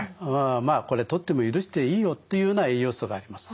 「まあこれとっても許していいよ」っていうような栄養素があります。